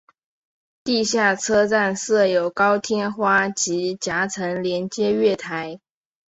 地下车站设有高天花及夹层连接月台。